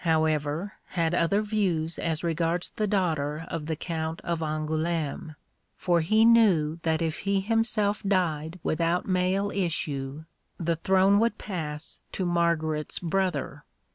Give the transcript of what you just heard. however, had other views as regards the daughter of the Count of Angoulême, for he knew that if he himself died without male issue the throne would pass to Margaret's brother.